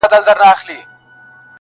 لوى مي کې، لويي مه راکوې.